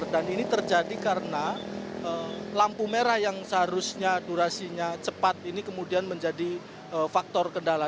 dan ini terjadi karena lampu merah yang seharusnya durasinya cepat ini kemudian menjadi faktor kendala